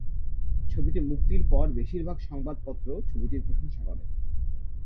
ছবিটি মুক্তির পর বেশীরভাগ সংবাদ পত্র ছবিটির প্রশংসা করে।